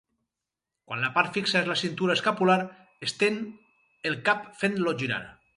Quan la part fixa és la cintura escapular, estén el cap fent-lo girar.